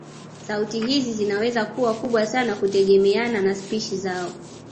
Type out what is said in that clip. Sauti hizi zinaweza kuwa kubwa sana kutegemeana na spishi zao